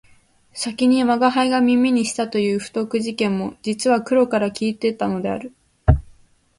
先に吾輩が耳にしたという不徳事件も実は黒から聞いたのである